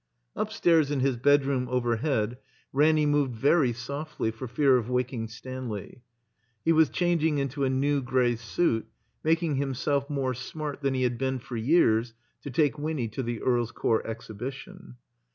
Upstairs in his bedroom overhead, Ranny moved very softly, for fear of waking Stanley. He was changing into a new gray suit, making himself more smart than he had been for years to take Winny to the EarFs Court Exhibition.